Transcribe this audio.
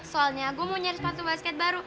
soalnya gue mau nyari sepatu basket baru